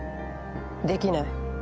できない。